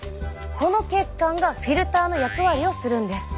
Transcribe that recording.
この血管がフィルターの役割をするんです。